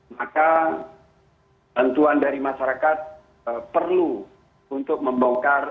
maka bantuan dari masyarakat perlu untuk membongkar